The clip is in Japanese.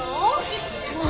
もう。